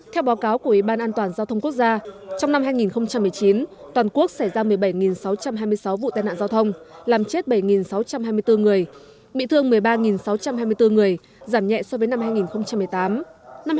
theo báo cáo của ủy ban an toàn giao thông quốc gia trong năm hai nghìn một mươi chín toàn quốc xảy ra một mươi bảy sáu trăm hai mươi sáu vụ tai nạn giao thông làm chết bảy sáu trăm hai mươi bốn người bị thương một mươi ba sáu trăm hai mươi bốn người giảm nhẹ so với năm hai nghìn một mươi tám